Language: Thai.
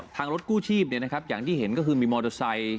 ทางรถกู้ชีพเนี่ยนะครับอย่างที่เห็นก็คือมีมอเตอร์ไซค์